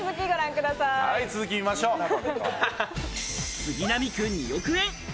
杉並区２億円！